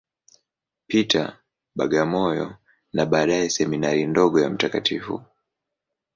Peter, Bagamoyo, na baadaye Seminari ndogo ya Mt.